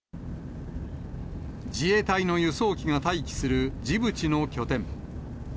自衛隊の輸送機が待機するジブチの拠点。